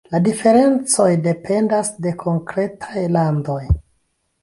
La diferencoj dependas de konkretaj landoj.